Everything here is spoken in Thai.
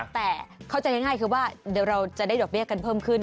แต่เข้าใจง่ายคือว่าเดี๋ยวเราจะได้ดอกเบี้ยกันเพิ่มขึ้น